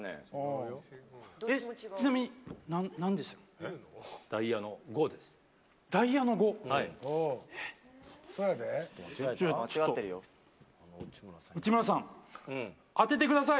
ちょっと、内村さん、当ててください。